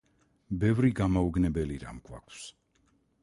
ბევრი გამაოგნებელი რამ გვაქვს.